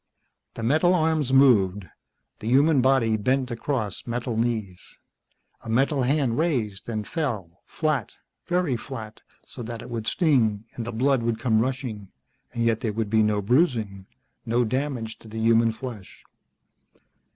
The metal arms moved. The human body bent across metal knees. A metal hand raised and fell, flat, very flat so that it would sting and the blood would come rushing, and yet there would be no bruising, no damage to the human flesh.